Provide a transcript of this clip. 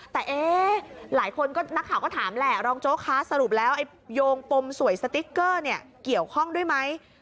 แต่หลายคนก็นักข่าวก็ถามแหละรองโจ๊กคะสรุปแล้วไอ้โยงปมสวยสติ๊กเกอร์เนี่ยเกี่ยวข้องด้วยไหม